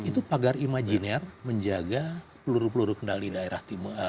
itu pagar imajiner menjaga peluru peluru kendali daerah